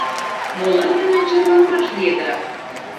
Молан мемнан черланымаш лиеда?